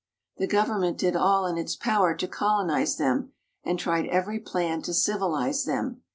The government did all in its power to colonize them, and tried every plan to civilize them.